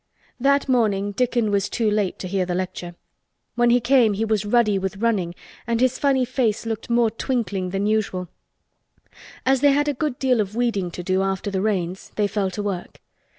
That morning Dickon was too late to hear the lecture. When he came he was ruddy with running and his funny face looked more twinkling than usual. As they had a good deal of weeding to do after the rains they fell to work.